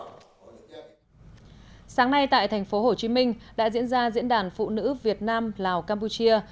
sáng nay tại tp hcm đã diễn ra diễn đàn phụ nữ việt nam lào campuchia